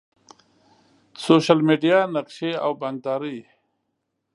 سوشل میډیا، نقشي او بانکداری